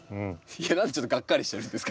いや何でちょっとガッカリしてるんですか？